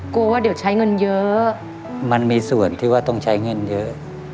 กลัวว่าเดี๋ยวใช้เงินเยอะมันมีส่วนที่ว่าต้องใช้เงินเยอะ